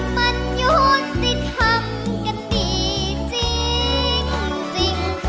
มันยกติดทำกันดีจริงจริง